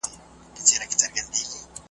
هندو زوړ سو مسلمان نه سو